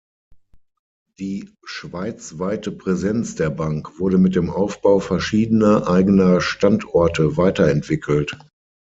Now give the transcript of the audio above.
Die schweizweite Präsenz der Bank wurde mit dem Aufbau verschiedener eigener Standorte weiterentwickelt.